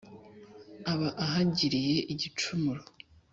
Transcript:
aba ahagiriye igicumuro.